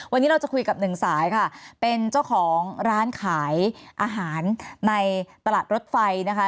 วันนี้เราจะคุยกับหนึ่งสายค่ะเป็นเจ้าของร้านขายอาหารในตลาดรถไฟนะคะ